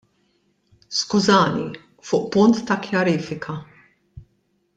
Skużani, fuq punt ta' kjarifika.